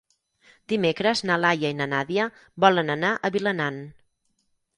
Dimecres na Laia i na Nàdia volen anar a Vilanant.